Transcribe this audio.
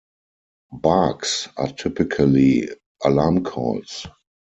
Barks are typically alarm calls.